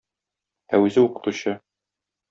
Ә үзе укытучы.